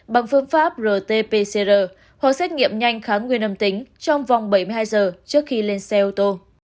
bằng phương pháp rt pcr hoặc xét nghiệm nhanh kháng nguyên âm tính trong vòng bảy mươi hai giờ trước khi lên xe ô tô